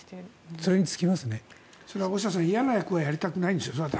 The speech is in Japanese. それは大下さん、嫌な役はやりたくないんです。